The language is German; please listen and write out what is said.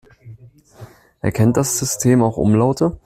Erkennt das System auch Umlaute?